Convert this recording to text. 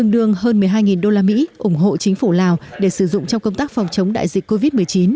một mươi hai đô la mỹ ủng hộ chính phủ lào để sử dụng trong công tác phòng chống đại dịch covid một mươi chín